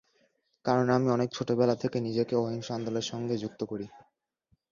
কারণ আমি অনেক ছোটবেলা থেকে নিজেকে অহিংস আন্দোলনের সঙ্গে যুক্ত করি।